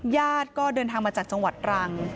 ญาติก็เดินทางมาจากจังหวัดรัง